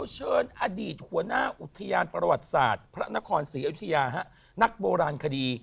เชิญอดีตหัวหน้าอุทยานประวัติศาสตร์พระนครศรีอยุธยานักโบราณคดี